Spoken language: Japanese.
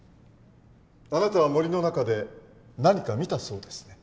あなたは森の中で何か見たそうですね。